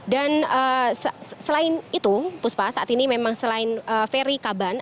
dan selain itu puspa saat ini memang selain ferry kaban